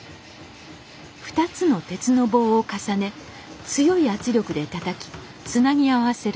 ２つの鉄の棒を重ね強い圧力でたたきつなぎ合わせる